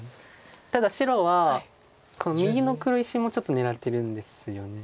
ただ白は右の黒石もちょっと狙ってるんですよね。